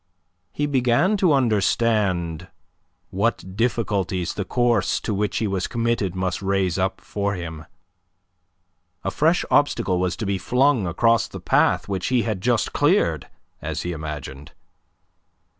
He began to understand what difficulties the course to which he was committed must raise up for him. A fresh obstacle was to be flung across the path which he had just cleared, as he imagined.